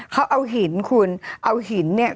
เขาเอาหินคุณเอาหินเนี่ย